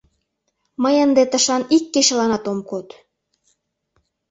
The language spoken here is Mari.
— Мый ынде тышан ик кечыланат ом код.